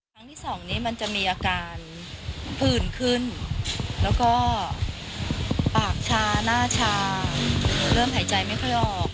ครั้งที่สองนี้มันจะมีอาการผื่นขึ้นแล้วก็ปากชาหน้าชาเริ่มหายใจไม่ค่อยออก